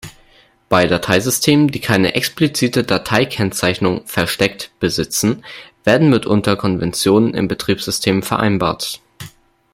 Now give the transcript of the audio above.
Bei Dateisystemen, die keine explizite Datei-Kennzeichnung „versteckt“ besitzen, werden mitunter Konventionen im Betriebssystem vereinbart.